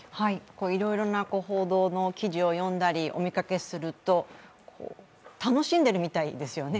いろいろな報道の記事を読んだり、お見かけすると、楽しんでいるみたいですよね。